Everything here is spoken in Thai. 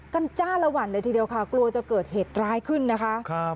จ้าละวันเลยทีเดียวค่ะกลัวจะเกิดเหตุร้ายขึ้นนะคะ